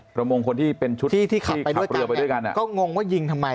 ประมงคนที่เป็นชุดที่ที่ขับไปด้วยเรือไปด้วยกันก็งงว่ายิงทำไม